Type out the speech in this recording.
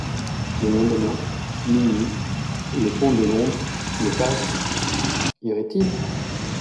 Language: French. Le lendemain, minuit, le pont de Londres, le page ? irait-il ?